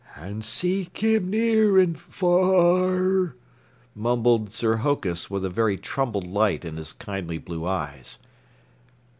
"And seek him near and fa hah har," mumbled Sir Hokus with a very troubled light in his kindly blue eyes.